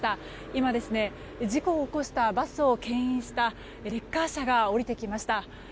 今、事故を起こしたバスを牽引したレッカー車が下りてきました。